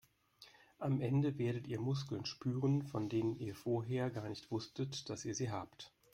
Am Ende werdet ihr Muskeln spüren, von denen ihr vorher gar nicht wusstet, dass ihr sie habt.